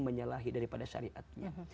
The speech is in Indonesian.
menyalahi daripada syariatnya